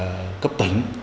và cấp tỉnh